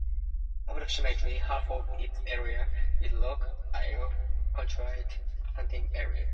Approximately half of its area is Lac Iro Controlled Hunting Area.